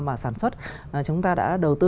mà sản xuất chúng ta đã đầu tư